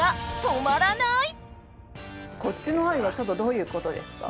こっちの愛はちょっとどういうことですか？